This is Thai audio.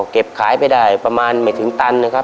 เก็บขายไปได้ประมาณไม่ถึงตัน